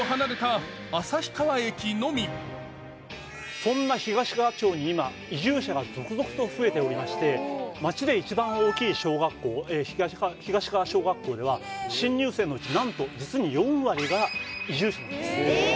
人口は８０００人ほどで、電車や国道はなく、最寄り駅はおよそそんな東川町に今、移住者が続々と増えておりまして、街で一番大きい小学校、東川小学校では、新入生のうちなんと実に４割が移住者なんです。